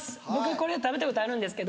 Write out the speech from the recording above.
これ食べたことあるんだは